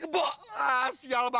eh itu si adi